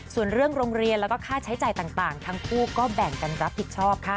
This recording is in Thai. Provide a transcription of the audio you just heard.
ส่วนเรื่องโรงเรียนแล้วก็ค่าใช้จ่ายต่างทั้งคู่ก็แบ่งกันรับผิดชอบค่ะ